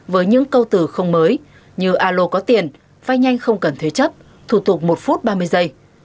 với những câu từ không mới như alo có tiền vai nhanh không cần thế chấp thủ tục một phút ba mươi giây